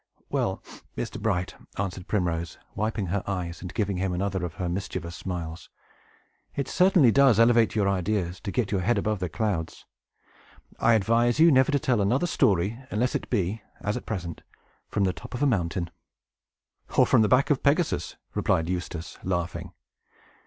"Well, Mr. Bright," answered Primrose, wiping her eyes, and giving him another of her mischievous smiles, "it certainly does elevate your ideas, to get your head above the clouds. I advise you never to tell another story, unless it be, as at present, from the top of a mountain." "Or from the back of Pegasus," replied Eustace, laughing.